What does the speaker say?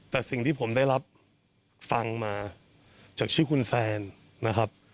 แต่สิ่งที่ผมได้รับฟังมาจากชื่อคุณแฟนนะครับ